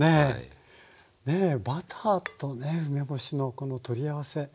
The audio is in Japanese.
ねえバターとねえ梅干しのこの取り合わせ。